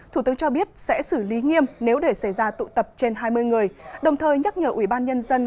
thủ tướng cho biết sẽ xử lý nghiêm nếu để xảy ra tụ tập trên hai mươi người đồng thời nhắc nhở ủy ban nhân dân